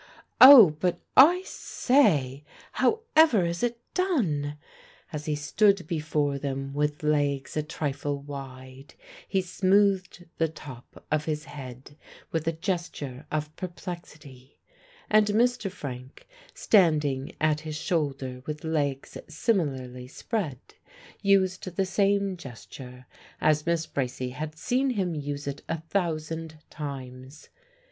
"Oh, but I say however is it done?" As he stood before them with legs a trifle wide, he smoothed the top of his head with a gesture of perplexity. And Mr. Frank, standing at his shoulder with legs similarly spread, used the same gesture as Miss Bracy had seen him use it a thousand times.